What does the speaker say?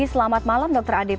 selamat malam dr adib